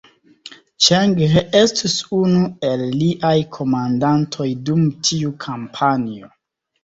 Ĉeng He estus unu el liaj komandantoj dum tiu kampanjo.